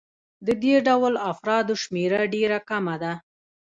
د دې ډول افرادو شمېره ډېره کمه ده